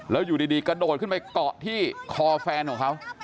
แล้วอยู่ดีกระโดดขึ้นไปเกาะที่คอแฟนของเขา